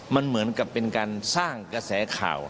มันเหมือนกับเป็นการสร้างกระแสข่าว